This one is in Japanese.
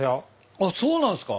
あっそうなんすか。